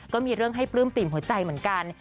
ก็มีเรื่องให้ปลื้มปิ่มหัวใจเหมือนกัน